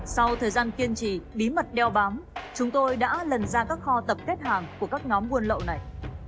sau thời gian kiên trì bí mật đeo bám chúng tôi đã lần ra các kho tập kết hàng của các nhóm buôn lậu này